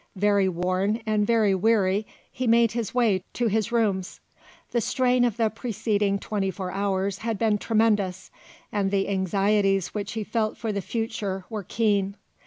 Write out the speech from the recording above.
Very worn and very weary he made his way to his rooms. The strain of the preceding twenty four hours had been tremendous, and the anxieties which he felt for the future were keen.